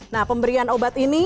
nah pemberian obat ini